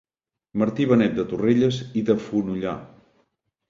Martí Benet de Torrelles i de Fonollar.